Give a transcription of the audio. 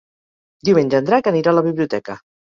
Diumenge en Drac anirà a la biblioteca.